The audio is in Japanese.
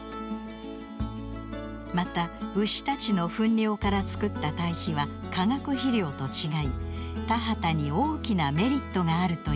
また牛たちの糞尿から作った堆肥は化学肥料と違い田畑に大きなメリットがあるといいます。